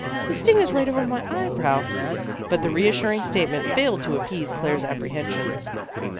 "The sting is right over my eyebrow." But the reassuring statement failed to appease Claire's apprehensions.